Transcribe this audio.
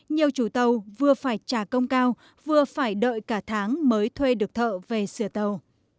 nhiều chủ tàu vừa phải trả công cao vừa phải đợi cả tháng mới thuê được thợ về sửa tàu